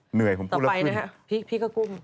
เหนื่อยผมพูดแล้วขึ้นต่อไปนะครับพี่กระกุ้ม